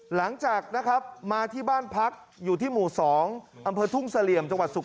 หลังจากนะคะมาที่บ้านพักอยู่ที่หมู่สองอำเสอทุ่งสลี่ย่ำจังหวัดสุโขทัย